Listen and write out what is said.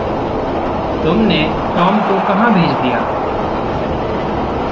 तुम ने टॉम को कहाँ भेज दिया?